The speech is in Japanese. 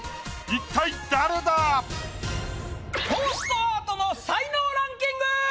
一体誰だ⁉トーストアートの才能ランキング！